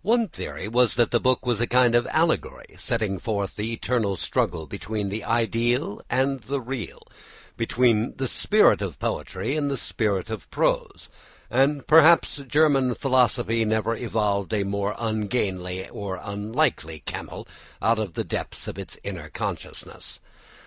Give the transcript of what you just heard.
One theory was that the book was a kind of allegory, setting forth the eternal struggle between the ideal and the real, between the spirit of poetry and the spirit of prose; and perhaps German philosophy never evolved a more ungainly or unlikely camel out of the depths of its inner consciousness.